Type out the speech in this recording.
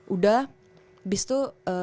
udah abis itu